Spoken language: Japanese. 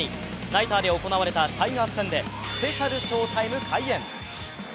ナイターで行われたタイガース戦でスペシャル翔タイム開演。